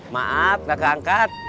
maaf gak keangkat